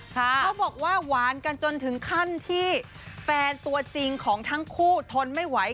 เขาบอกว่าหวานกันจนถึงขั้นที่แฟนตัวจริงของทั้งคู่ทนไม่ไหว